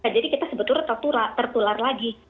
jadi kita sebetulnya tertular lagi